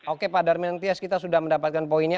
oke pak darmin nektyas kita sudah mendapatkan poinnya